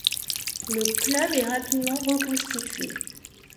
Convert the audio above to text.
Le club est rapidement reconstitué.